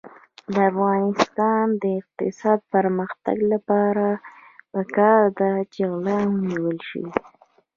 د افغانستان د اقتصادي پرمختګ لپاره پکار ده چې غلا ونیول شي.